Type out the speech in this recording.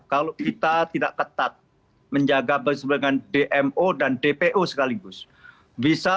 kalau kita tidak ketat menjaga berseberangan dmo dan dpo sekaligus bisa